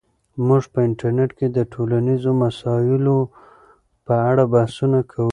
موږ په انټرنیټ کې د ټولنیزو مسایلو په اړه بحثونه کوو.